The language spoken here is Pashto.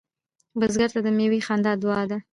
بزګر ته د میوې خندا دعا ده